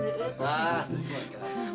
pak terima kasih